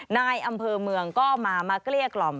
นายอำเภอเมืองก็มาเกลี้ยกล่อม